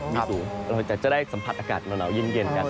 มีสูงเราจะได้สัมผัสอากาศหนาวเย็นกัน